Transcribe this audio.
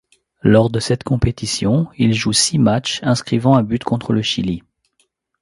Lors de cette compétition, il joue six matchs, inscrivant un but contre le Chili.